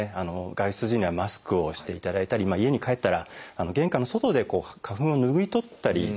外出時にはマスクをしていただいたり家に帰ったら玄関の外で花粉を拭い取ったりですね